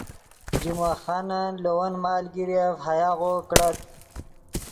جمعہ خانن لے ون مالگیرف ہیاغو کڑت